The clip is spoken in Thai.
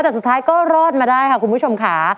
แต่สุดท้ายก็รอดมาได้ค่ะคุณผู้ชมค่ะ